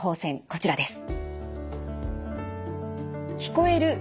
こちらです。